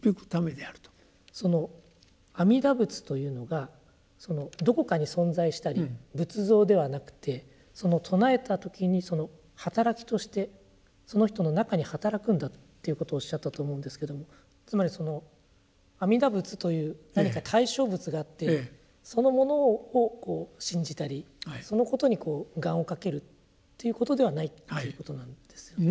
その阿弥陀仏というのがどこかに存在したり仏像ではなくてその称えた時にその働きとしてその人の中に働くんだっていうことをおっしゃったと思うんですけどもつまりその阿弥陀仏という何か対象物があってそのものをこう信じたりそのことに願をかけるということではないということなんですよね。